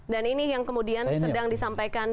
dan ini yang kemudian sedang disampaikan bpn